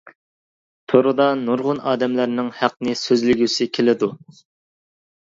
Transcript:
توردا نۇرغۇن ئادەملەرنىڭ ھەقنى سۆزلىگۈسى كېلىدۇ.